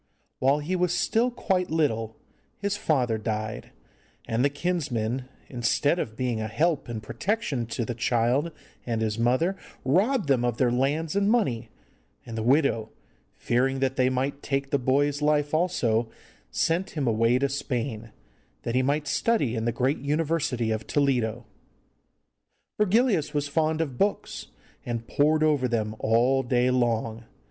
While he was still quite little, his father died, and the kinsmen, instead of being a help and protection to the child and his mother, robbed them of their lands and money, and the widow, fearing that they might take the boy's life also, sent him away to Spain, that he might study in the great University of Toledo. Virgilius was fond of books, and pored over them all day long.